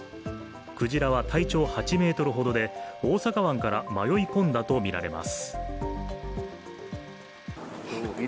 クジラは体長８ｍほどで、大阪湾から迷い込んだとみられます。